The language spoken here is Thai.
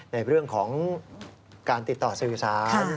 ในเรื่องของการติดต่อสื่อสาร